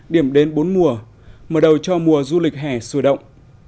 điểm đến bốn mùa mở đầu cho mùa du lịch hẻ sùa động